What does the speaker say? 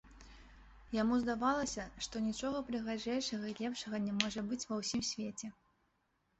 Яму здавалася, што нічога прыгажэйшага і лепшага не можа быць ва ўсім свеце.